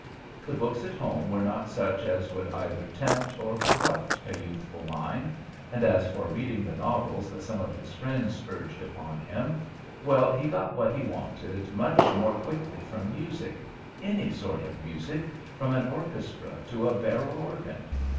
The books at home were not such as would either tempt or corrupt a youthful mind, and as for reading the novels that some of his friends urged upon him well, he got what he wanted much more quickly from music; any sort of music, from an orchestra to a barrel organ.